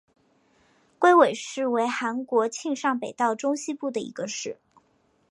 龟尾市为韩国庆尚北道中西部的一个市。